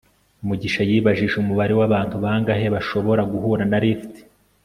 mugisha yibajije umubare wabantu bangahe bashobora guhura na lift